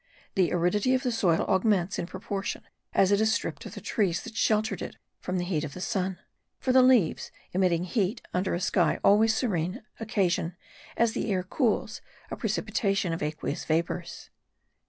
The aridity of the soil augments in proportion as it is stripped of the trees that sheltered it from the heat of the sun; for the leaves, emitting heat under a sky always serene, occasion, as the air cools, a precipitation of aqueous vapours.